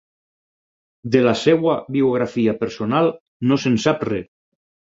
De la seva biografia personal no se'n sap res.